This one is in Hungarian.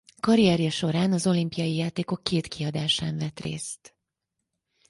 Karrierje során az olimpiai játékok két kiadásán vett részt.